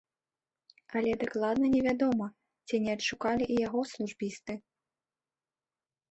Але дакладна невядома, ці не адшукалі і яго службісты.